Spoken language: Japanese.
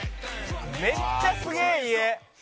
めっちゃすげえ家。